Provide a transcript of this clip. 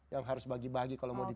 yang harus bagi bagi kalau mau di